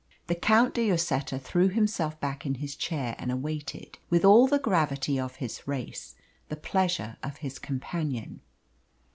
The Count de Lloseta threw himself back in his chair, and awaited, with all the gravity of his race, the pleasure of his companion.